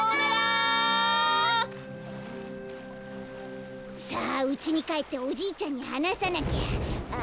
さあうちにかえっておじいちゃんにはなさなきゃ。